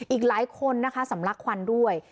อีกหลายคนนะคะสำลักควันด้วย